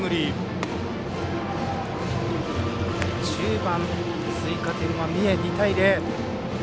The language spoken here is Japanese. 中盤、追加点は三重２対０。